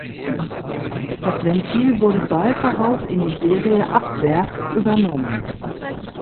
Das Ventil wurde bald darauf in die Serie ab Werk übernommen.